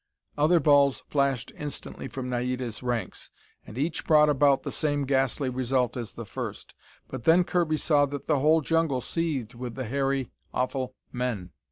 Other balls flashed instantly from Naida's ranks, and each brought about the same ghastly result as the first. But then Kirby saw that the whole jungle seethed with the hairy, awful men.